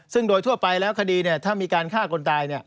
ซึ่งโดยทั่วไปแล้วคดีถ้ามีการฆ่าคนตาย